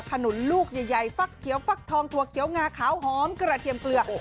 ขนุนลูกใหญ่ฟักเขียวฟักทองถั่วเขียวงาขาวหอมกระเทียมเกลือ